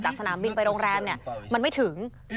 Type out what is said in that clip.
สนามบินไปโรงแรมเนี่ยมันไม่ถึง